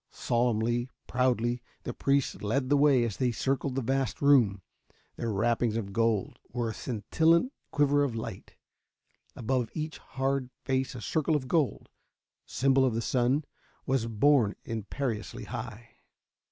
Solemnly, proudly, the priests lead the way as they circled the vast room. Their wrappings of gold were a scintillant quiver of light; above each hard face a circle of gold symbol of the sun was borne imperiously high.